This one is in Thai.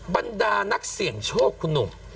บรรดานักเสี่ยงโชคคุณหนุ่ม